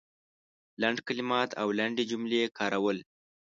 لنډ کلمات او لنډې جملې کارول